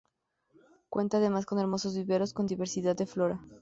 Cuenta además con hermosos viveros con diversidad de flora.